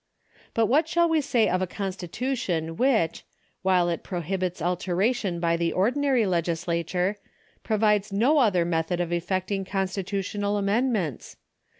But what shall we say of a constitution which, while it prohibits alteration by the ordinary legislature, provides no other method of effecting constitutional amendments